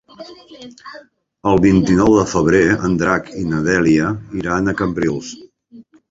El vint-i-nou de febrer en Drac i na Dèlia iran a Cambrils.